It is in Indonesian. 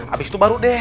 abis itu baru deh